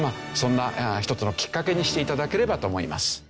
そんな一つのきっかけにして頂ければと思います。